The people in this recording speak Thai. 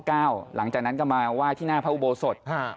หลวงพ่อเก้าหลังจากนั้นก็มาไหว้ที่หน้าพระอุโบสถ